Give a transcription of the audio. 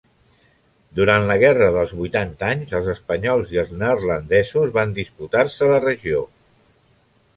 Durant la guerra dels Vuitanta Anys els espanyols i els neerlandesos van disputar-se la regió.